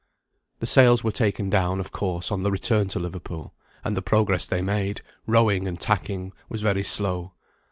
The sails were taken down, of course, on the return to Liverpool, and the progress they made, rowing and tacking, was very slow.